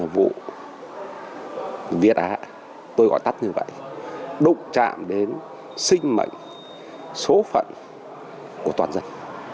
vụ việt á tôi gọi tắt như vậy đụng chạm đến sinh mệnh số phận của toàn dân